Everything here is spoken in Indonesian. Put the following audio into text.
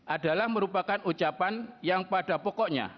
adalah merupakan ucapan yang pada pokoknya